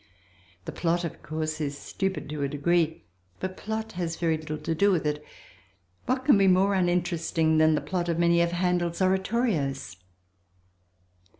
The plot, of course, is stupid to a degree, but plot has very little to do with it; what can be more uninteresting than the plot of many of Handel's oratorios?